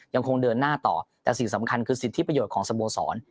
ยังคงเดินหน้าต่อแต่สิ่งสำคัญคือสิทธิประโยชน์ของสโมสร